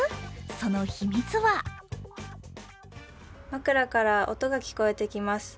その秘密は枕から音が聞こえてきます。